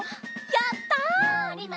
やった！